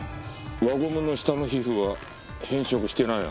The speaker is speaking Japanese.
輪ゴムの下の皮膚は変色していないな。